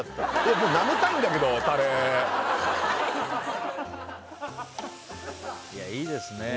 もうなめたいんだけどタレいやいいですね